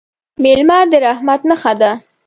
مېلمه د رحمت نښه ده.